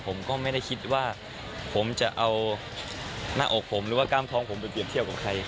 ผมก็ไม่ได้คิดว่าผมจะเอาหน้าอกผมหรือว่ากล้ามท้องผมไปเปรียบเทียบกับใคร